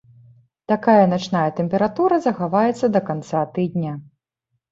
Такая начная тэмпература захаваецца да канца тыдня.